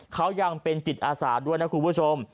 เขายังเป็นจิตอาสาด้วยนะคุณผู้ชม